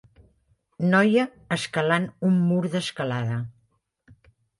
Noia escalant un mur d'escalada.